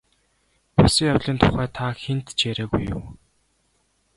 Болсон явдлын тухай та хэнд ч яриагүй юу?